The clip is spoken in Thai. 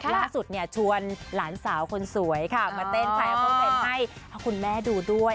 ล่าสุดเนี่ยชวนหลานสาวคนสวยค่ะมาเต้นแอร์เลิเทนต์ให้คุณแม่ดูด้วย